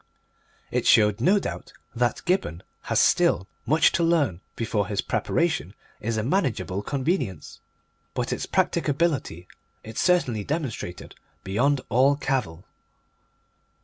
It showed, no doubt, that Gibberne has still much to learn before his preparation is a manageable convenience, but its practicability it certainly demonstrated beyond all cavil.